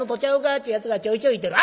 っちゅうやつがちょいちょいいてる。